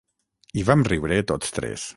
I vam riure tots tres.